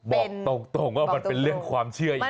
บอกตรงว่ามันเป็นเรื่องความเชื่ออีก